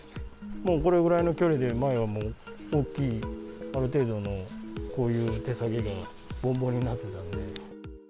もうこれぐらいの距離で、前はもう、大きいある程度のこういう手提げがになってたので。